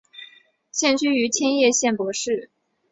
现居住于千叶县柏市。